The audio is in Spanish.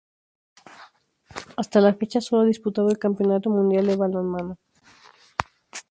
Hasta la fecha solo ha disputado el Campeonato Mundial de Balonmano.